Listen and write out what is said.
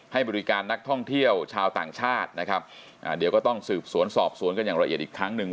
ให้บริการนักท่องเที่ยวชาวต่างชาตินะครับอ่าเดี๋ยวก็ต้องสืบสวนสอบสวนกันอย่างละเอียดอีกครั้งหนึ่ง